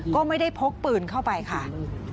ก็ไม่ได้พกปืนเข้าไปค่ะ